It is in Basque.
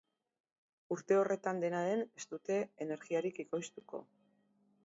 Urte horretan, dena den, ez dute energiarik ekoiztuko.